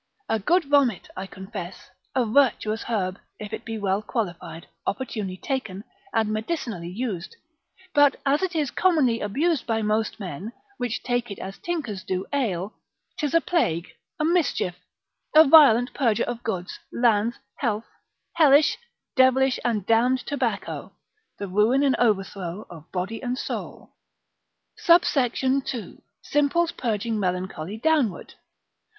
A good vomit, I confess, a virtuous herb, if it be well qualified, opportunely taken, and medicinally used; but as it is commonly abused by most men, which take it as tinkers do ale, 'tis a plague, a mischief, a violent purger of goods, lands, health, hellish, devilish and damned tobacco, the ruin and overthrow of body and soul. SUBSECT. II.—Simples purging Melancholy downward.